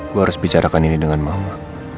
gue harus bicarakan ini dengan mama